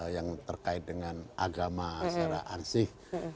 yang terkait dengan agama secara ansih